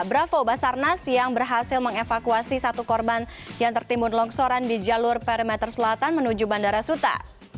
bravo basarnas yang berhasil mengevakuasi satu korban yang tertimbun longsoran di jalur perimeter selatan menuju bandara suta